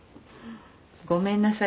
ごめんなさい